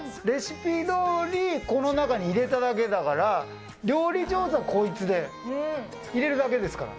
レシピどおり、この中に入れただけだから、料理上手はこいつで、すごい。